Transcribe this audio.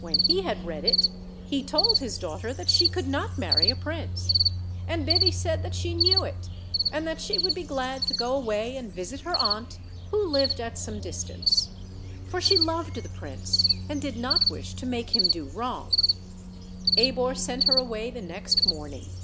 When he had read it he told his daughter that she could not marry a prince; and Biby said that she knew it, and that she would be glad to go away and visit her aunt, who lived at some distance; for she loved the prince, and did not wish to make him do wrong. Abor sent her away the next morning.